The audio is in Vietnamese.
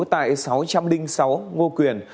tại sáu trăm linh sáu ngo quyền